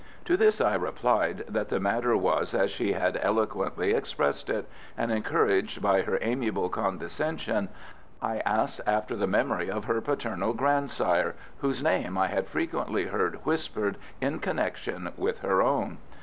To this I replied that the matter was as she had eloquently expressed it, and, encouraged by her amiable condescension, I asked after the memory of her paternal grandsire, whose name I had frequently heard whispered in connection with her own.